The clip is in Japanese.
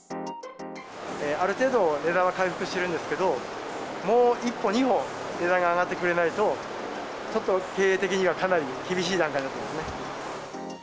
ある程度、値段は回復してるんですけど、もう一歩、二歩、値段が上がってくれないと、ちょっと経営的にはかなり厳しい段階になってますね。